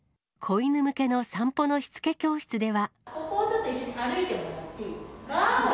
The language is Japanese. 子犬向けの散歩のしつけ教室では。